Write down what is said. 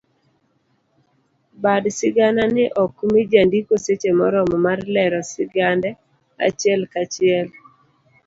Bad sigana ni okmii jandiko seche moromo mar lero sigande achiel kachiel.